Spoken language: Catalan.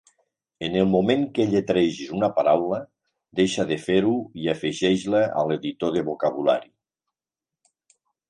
En el moment que lletregis una paraula, deixa de fer-ho i afegeix-la a l'Editor de vocabulari.